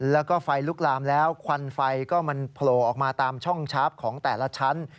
แล้วก็ไฟลุกลามแล้วควันไฟก็มันโผล่ออกมาตามช่องชาร์ฟของแต่ละชั้น